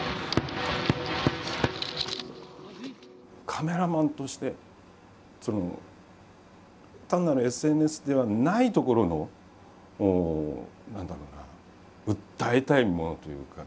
カメラマンとして単なるＳＮＳではないところの何だろうな訴えたいものというか違いというかな。